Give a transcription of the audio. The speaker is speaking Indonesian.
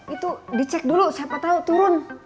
itu dicek dulu siapa tahu turun